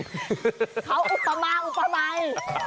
เขาอุปมาอุปมาอีก